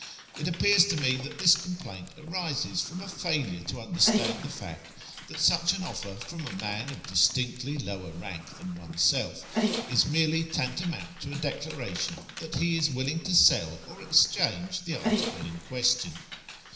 It appears to me that this complaint arises from a failure to understand the fact that such an offer from a man of distinctly lower rank than oneself is merely tantamount to a declaration that he is willing to sell or exchange the article in question.